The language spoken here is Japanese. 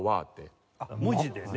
文字でね。